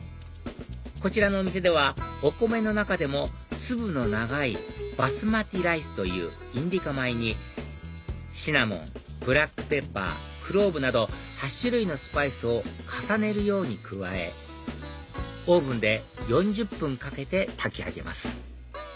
こちらのお店ではお米の中でも粒の長いバスマティライスというインディカ米にシナモンブラックペッパークローブなど８種類のスパイスを重ねるように加えオーブンで４０分かけて炊き上げます